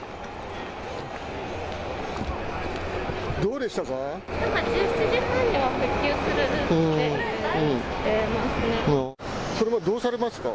どうでしたか？